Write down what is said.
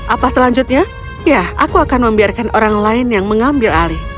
apa selanjutnya ya aku akan membiarkan orang lain yang mengambil alih